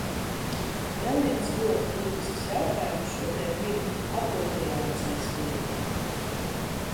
Vēl viens ļoti būtisks jautājums šodien bija apropriācijas lieta.